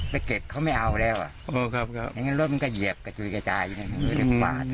จะเก็บเขาไม่เอาแล้วอ่ะโอ้ครับครับอย่างงั้นรถมันก็เหยียบกระจุยกระจายอยู่นั่น